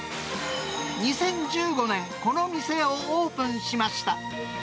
２０１５年、この店をオープンしました。